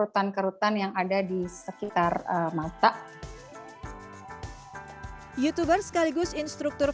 tetapi kekuasaan rose